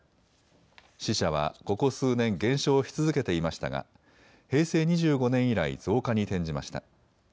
死者はここ数年、減少し続けていましたが平成２５年以来、増加に転じました。